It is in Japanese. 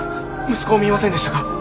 息子を見ませんでしたか？